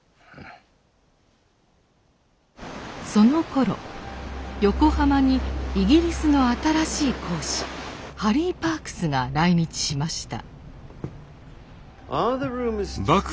そのころ横浜にイギリスの新しい公使ハリー・パークスが来日しました。